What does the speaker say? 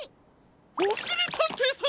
おしりたんていさん！